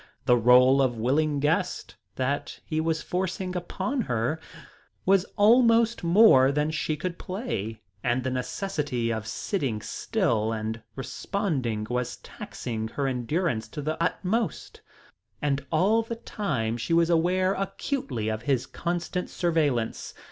The role of willing guest that he was forcing upon her was almost more than she could play, and the necessity of sitting still and responding was taxing her endurance to the utmost. And all the time she was aware acutely of his constant surveillance.